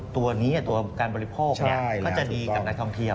ตัวนี้ตัวการบริโภคก็จะดีกับนักท่องเที่ยว